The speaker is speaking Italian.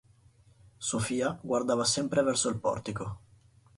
Sofia guardava sempre verso il portico.